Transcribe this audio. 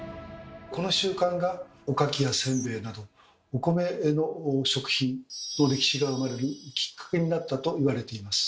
この習慣がおかきやせんべいなどお米の食品の歴史が生まれるきっかけになったと言われています。